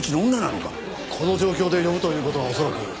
この状況で呼ぶという事は恐らく。